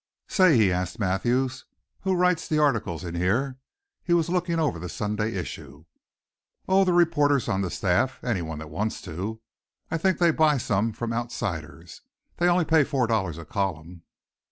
"Say," he asked Mathews, "who writes the articles in here?" He was looking over the Sunday issue. "Oh, the reporters on the staff anyone that wants to. I think they buy some from outsiders. They only pay four dollars a column."